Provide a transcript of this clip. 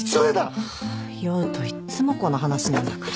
ハァ酔うといっつもこの話なんだから。